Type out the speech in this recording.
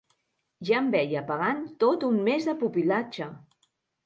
Ja em veia pagant tot un mes de pupil·latge!